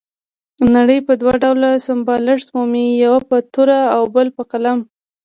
نړۍ په دوه ډول سمبالښت مومي، یو په توره او بل په قلم.